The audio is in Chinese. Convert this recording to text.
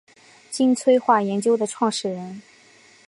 金催化研究的创始人。